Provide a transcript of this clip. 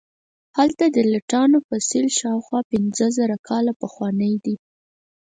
هلته د لټانو فسیل شاوخوا پنځه زره کاله پخوانی دی.